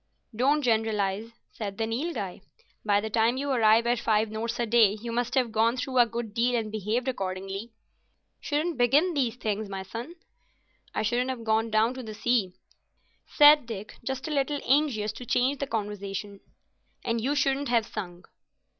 "Don't generalise," said the Nilghai. "By the time you arrive at five notes a day you must have gone through a good deal and behaved accordingly. Shouldn't begin these things, my son." "I shouldn't have gone down to the sea," said Dick, just a little anxious to change the conversation. "And you shouldn't have sung."